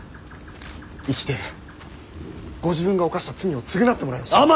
生きてご自分が犯した罪を償ってもらいましょう。